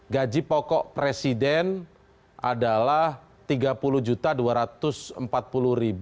gaji pokok presiden adalah rp tiga puluh dua ratus empat puluh